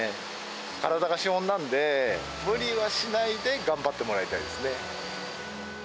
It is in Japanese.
体が資本なんで、無理はしないで頑張ってもらいたいですね。